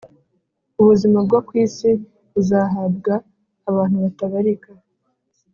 ubuzima bwo ku isi buzahabwa abantu batabarika